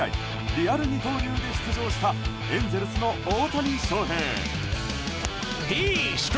リアル二刀流で出場したエンゼルスの大谷翔平。